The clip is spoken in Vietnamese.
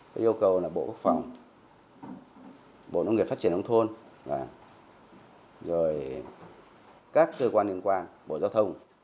yêu cầu là bộ quốc phòng bộ nông nghiệp phát triển hồng thôn các cơ quan liên quan bộ giao thông